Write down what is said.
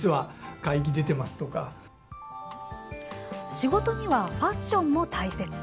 仕事にはファッションも大切。